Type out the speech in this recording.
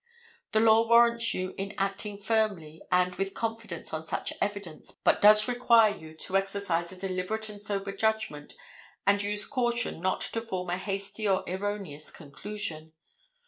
The law warrants you in acting firmly and with confidence on such evidence, but does require you to exercise a deliberate and sober judgment, and use great caution not to form a hasty or erroneous conclusion.